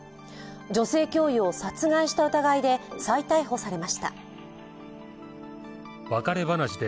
女性教諭を殺害した疑いで再逮捕されました。